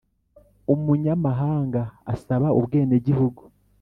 Umunyamahanga asaba ubwenegihugu.